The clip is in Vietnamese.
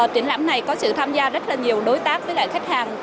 triển lãm này có sự tham gia rất nhiều đối tác với khách hàng